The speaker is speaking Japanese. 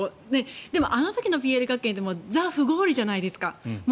でも、あの時のＰＬ学園ってザ・不合理じゃないですか。